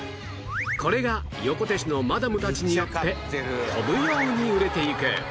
これが横手市のマダムたちによって飛ぶように売れていく